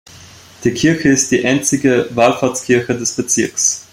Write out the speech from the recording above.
Die Kirche ist die einzige Wallfahrtskirche des Bezirks.